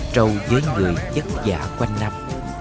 trâu với người chất giả quanh năm